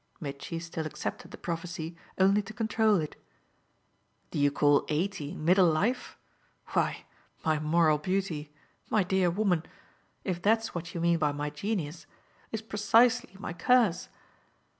Mitchy still accepted the prophecy only to control it. "Do you call eighty middle life? Why, my moral beauty, my dear woman if that's what you mean by my genius is precisely my curse.